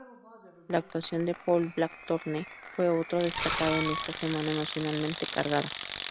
La actuación de Paul Blackthorne fue otro destacado en esta semana emocionalmente cargada.